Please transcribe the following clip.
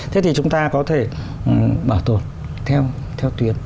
thế thì chúng ta có thể bảo tồn theo tuyến